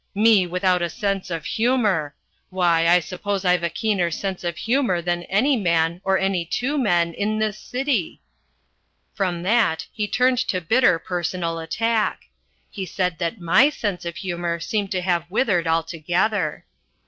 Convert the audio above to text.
Me without a sense of humour! Why, I suppose I've a keener sense of humour than any man, or any two men, in this city!" From that he turned to bitter personal attack. He said that my sense of humour seemed to have withered altogether.